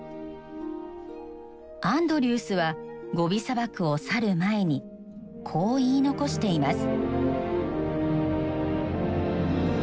アンドリュースはゴビ砂漠を去る前にこう言い残しています。